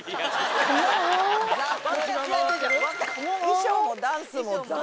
衣装もダンスも雑。